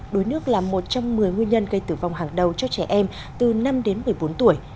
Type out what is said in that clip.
đuối nước là một trong một mươi nguyên nhân gây tử vong hàng đầu cho trẻ em từ năm đến một mươi bốn tuổi